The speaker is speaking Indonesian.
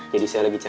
berapa jualan ini